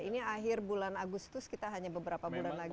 ini akhir bulan agustus kita hanya beberapa bulan lagi